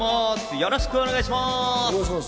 よろしくお願いします。